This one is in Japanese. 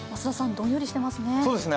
どんよりしていますね。